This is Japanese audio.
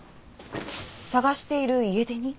捜している家出人？